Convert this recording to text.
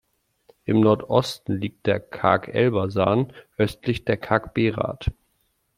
Im Nordosten liegt der Qark Elbasan, östlich der Qark Berat.